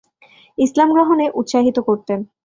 ইসলাম গ্রহণে উৎসাহিত করতেন।